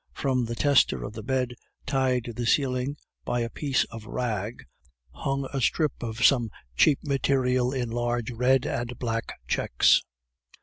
From the tester of the bed, tied to the ceiling by a piece of rag, hung a strip of some cheap material in large red and black checks.